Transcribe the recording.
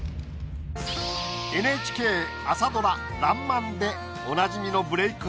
ＮＨＫ朝ドラ『らんまん』でおなじみのブレイク